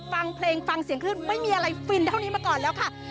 ฟังเพลงฟังเสียงคลื่นไม่มีอะไรฟินเท่านี้มาก่อนแล้วค่ะ